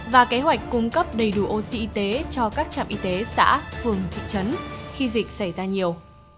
và kế hoạch cung cấp đầy đủ oxy y tế cho các trạm y tế xã phường thị trấn khi dịch xảy ra nhiều